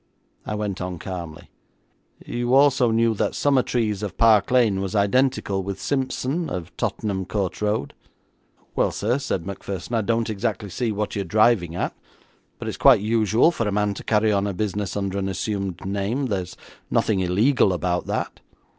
I went on calmly: 'You also knew that Summertrees, of Park Lane, was identical with Simpson, of Tottenham Court Road?' 'Well, sir,' said Macpherson, 'I don't exactly see what you're driving at, but it's quite usual for a man to carry on a business under an assumed name. There is nothing illegal about that.'